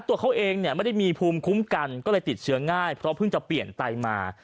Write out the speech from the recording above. ตัวเขาเองเนี่ยไม่ได้มีภูมิคุ้มกันก็เลยติดเชื้อง่ายเพราะเพิ่งจะเปลี่ยนไตมา